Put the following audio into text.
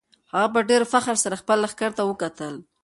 هغه په ډېر فخر سره خپل لښکر ته وکتل.